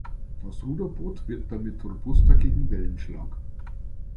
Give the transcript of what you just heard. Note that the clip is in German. Das Ruderboot wird damit robuster gegen Wellenschlag.